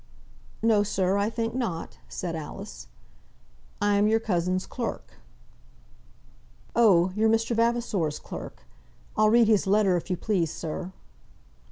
"No, sir; I think not," said Alice. "I am your cousin's clerk." "Oh, you're Mr. Vavasor's clerk. I'll read his letter, if you please, sir."